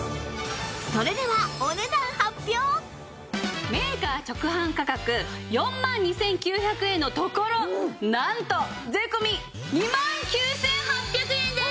それではメーカー直販価格４万２９００円のところなんと税込２万９８００円です！